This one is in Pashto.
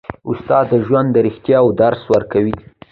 استاد د ژوند د رښتیاوو درس ورکوي.